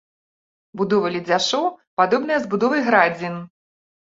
Будова ледзяшоў падобная з будовай градзін.